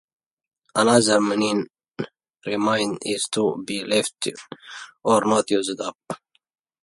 Another meaning of "remain" is to be left or not used up.